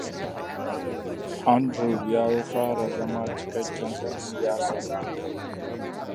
Andrew ya fara zama cikakken ɗan siyasa.